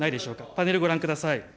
パネルご覧ください。